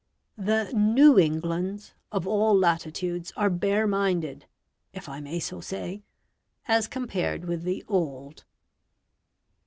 The "new Englands" of all latitudes are bare minded (if I may so say) as compared with the "old".